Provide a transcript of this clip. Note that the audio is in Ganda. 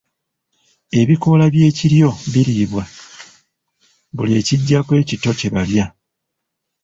Ebikoola by’ekiryo biriibwa, buli ekijjako ekito kye balya.